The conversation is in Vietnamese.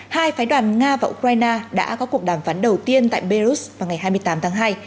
hai phái đoàn nga và ukraine đã có cuộc đàm phán đầu tiên tại belarus vào ngày hai mươi tám tháng hai